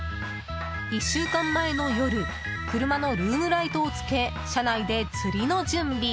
１週間前の夜車のルームライトをつけ車内で釣りの準備。